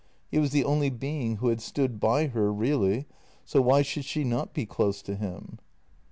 He was the only being who had stood by her really — so why should she not be close to him